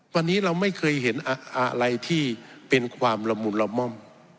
วันนี้เราไม่เคยเห็นอะไรที่เป็นความละมุนละม่อม